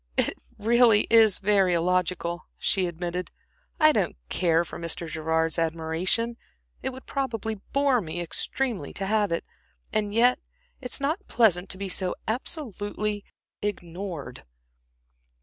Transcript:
"It really is very illogical," she admitted, "I don't care for Mr. Gerard's admiration, it would probably bore me extremely to have it; and yet it's not pleasant to be so absolutely ignored."